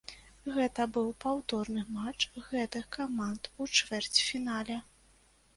Гэта быў паўторны матч гэтых каманд у чвэрцьфінале.